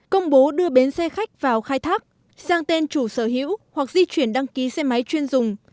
công bố đưa bến xe khách vào khai thác sang tên chủ sở hữu hoặc di chuyển đăng ký xe máy chuyên dùng